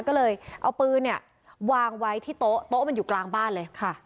ก็เลยเอาปืนเนี่ยวางไว้ที่โต๊ะโต๊ะมันอยู่กลางบ้านเลยค่ะ